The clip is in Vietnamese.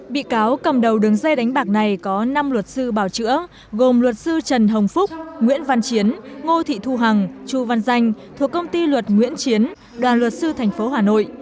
bị cáo cầm đầu đường dây đánh bạc này có năm luật sư bảo chữa gồm luật sư trần hồng phúc nguyễn văn chiến ngô thị thu hằng chu văn danh thuộc công ty luật nguyễn chiến đoàn luật sư tp hà nội